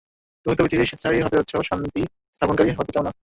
তুমি তো পৃথিবীতে স্বেচ্ছাচারী হতে চাচ্ছ, শান্তি স্থাপনকারী হতে চাও না?